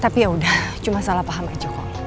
tapi yaudah cuma salah paham aja kok